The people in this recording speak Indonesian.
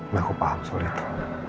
nggak aku paham soal itu